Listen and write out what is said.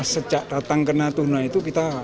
sejak datang ke natuna itu kita